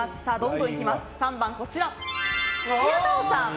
３番は土屋太鳳さん。